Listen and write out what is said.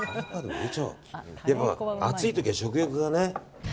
でも暑い時は食欲がね。